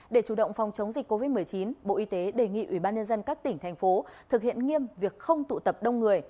để chủ động phòng chống dịch covid một mươi chín bộ y tế đề nghị ủy ban nhân dân các tỉnh thành phố thực hiện nghiêm việc không tụ tập đông người